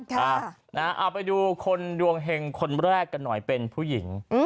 เอาไปดูคนดวงเห็งคนแรกกันหน่อยเป็นผู้หญิง